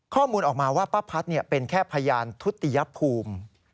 ข้อมูลออกมาว่าป้าพัดเป็นแค่พยานทุติยภูมิ